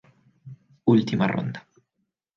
Última ronda.